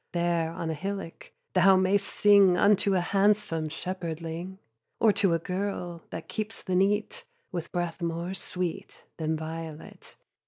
There, on a hillock, thou mayst sing Unto a handsome shepherdling; Or to a girl, that keeps the neat, With breath more sweet than violet.